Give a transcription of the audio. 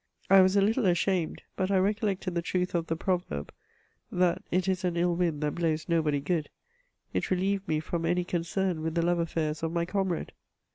I was a little ashamed, but I recollected the truth of the proverb, that it is an ill wind that blows nobody good ;" it relieved me from any concern with the love affairs of my comrade.